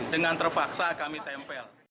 dengan terpaksa kami tempel